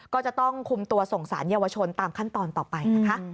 ก็จะต้องคุมตัวส่งสารเยาวชนตามขั้นตอนต่อไปนะคะ